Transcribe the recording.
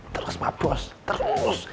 terus pak bos terus